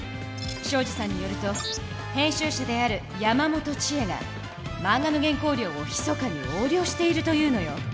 東海林さんによると編集者である山本知恵がマンガの原稿料をひそかに横領しているというのよ。